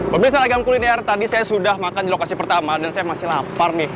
pemirsa ragam kuliner tadi saya sudah makan di lokasi pertama dan saya masih lapar nih